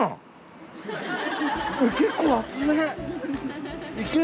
結構熱め。